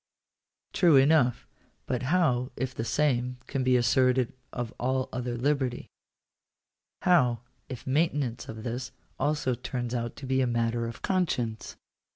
True enough; but how if the same can be asserted of all other liberty ? H&w if maintenance of this also turns out to be a matter of conscience